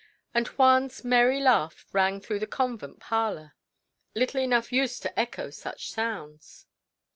And Juan's merry laugh rang through the convent parlour, little enough used to echo such sounds.